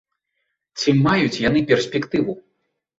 Ці маюць яны перспектыву?